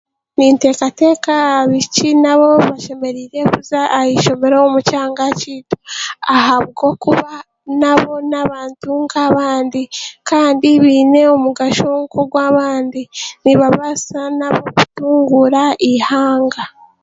Ninteekateeka abaishiki nabo bashemereire kuza aha ishomero omu kyanga kyaitu ahabwokuba nabo n'abantu nk'abandi kandi baine omugasho nk'ogw'abandi. Nibabaasa nabo kutunguura eihanga.